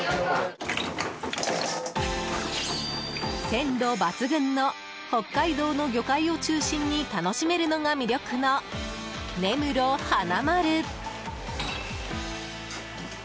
鮮度抜群の北海道の魚介を中心に楽しめるのが魅力の根室花まる。